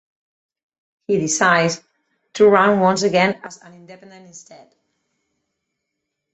He decided to run once again as an independent instead.